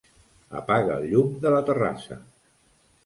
Apaga el llum de la terrassa.